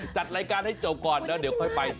จัดรายการให้จบก่อนแล้วเดี๋ยวค่อยไป